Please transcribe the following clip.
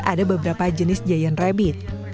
ada beberapa jenis giant rabbit